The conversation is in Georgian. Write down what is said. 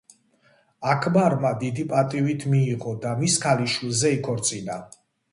აქბარმა დიდი პატივით მიიღო და მის ქალიშვილზე იქორწინა.